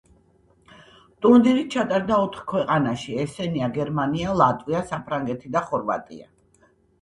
ტურნირი ჩატარდა ოთხ ქვეყანაში, ესენია: გერმანია, ლატვია, საფრანგეთი და ხორვატია.